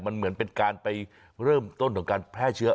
มันเหมือนเป็นการไปเริ่มต้นของการแพร่เชื้อ